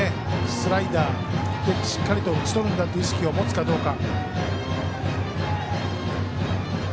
スライダーでしっかりと打ち取るという意識を持つのかどうか。